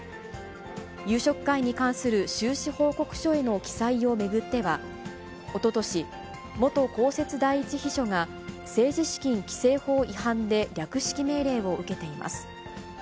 夕食会に関する収支報告書への記載を巡っては、おととし、元公設第１秘書が、政治資金規正法違反で略式命令を受けています。